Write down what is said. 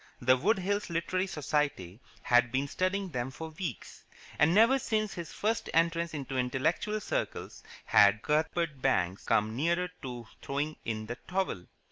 The Wood Hills Literary Society had been studying them for weeks, and never since his first entrance into intellectual circles had Cuthbert Banks come nearer to throwing in the towel.